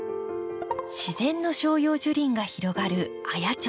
自然の照葉樹林が広がる綾町。